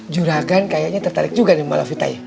juragan kayaknya tertarik juga nih palafita ya